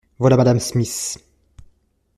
Voilà madame Smith.